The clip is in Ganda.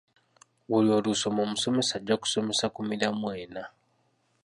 Buli olusoma omusomesa ajja kusomesa ku miramwa ena.